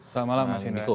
selamat malam mas miko